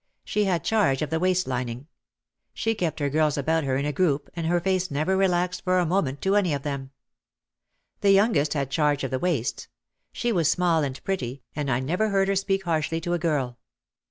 She had charge of the waist lining. She kept her girls about her in a group and her face never relaxed for a moment to any of them. The youngest had charge of the waists. She was small and pretty and I never heard her speak harshly to a girl.